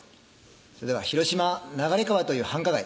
それでは広島・流川という繁華街